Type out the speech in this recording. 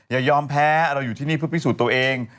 อย่ายอมแพ้เราอยู่ที่นี่เพื่อพิสูจน์ตัวเอง